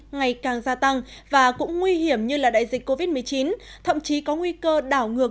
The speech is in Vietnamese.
ngày càng gia tăng và cũng nguy hiểm như đại dịch covid một mươi chín thậm chí có nguy cơ đảo ngược